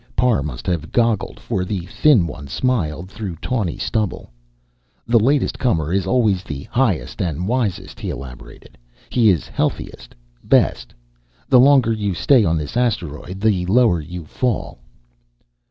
Parr must have goggled, for the thin one smiled through tawny stubble. "The latest comer is always highest and wisest," he elaborated. "He is healthiest. Best. The longer you stay on this asteroid, the lower you fall."